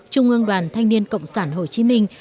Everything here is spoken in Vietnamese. trung ương đoàn thanh niên cộng sản hồ chí minh